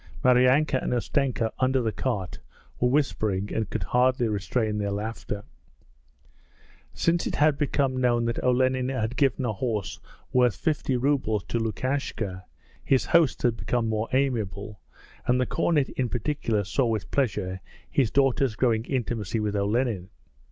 Maryanka and Ustenka under the cart were whispering and could hardly restrain their laughter. Since it had become known that Olenin had given a horse worth fifty rubles to Lukashka, his hosts had become more amiable and the cornet in particular saw with pleasure his daughter's growing intimacy with Olenin.